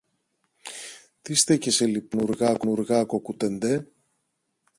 Τι στέκεσαι λοιπόν, Πανουργάκο, κουτεντέ;